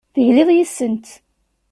Tegliḍ yes-sent.